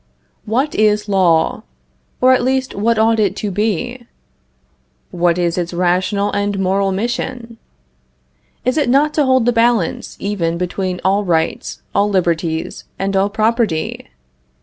What is law, or at least what ought it to be? What is its rational and moral mission? Is it not to hold the balance even between all rights, all liberties, and all property?